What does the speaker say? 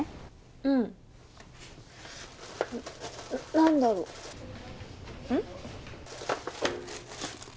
うん何だろうん？